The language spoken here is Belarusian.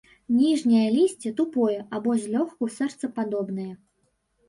Ніжняе лісце тупое або злёгку сэрцападобнае.